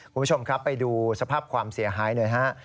คุณผู้ชมครับไปดูสภาพความเสียหายหน่อยฮะ